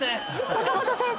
岡本先生！